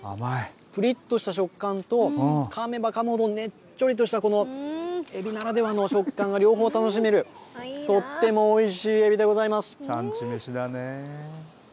ぷりっとした食感と、かめばかむほどねっちょりとした、このエビならではの食感が両方楽しめる、とってもおいしいエビでございま産地めしだね。